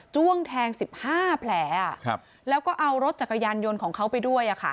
้วงแทง๑๕แผลแล้วก็เอารถจักรยานยนต์ของเขาไปด้วย